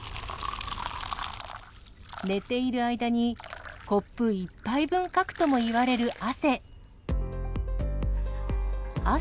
寝ている間に、コップ１杯分かくともいわれる汗。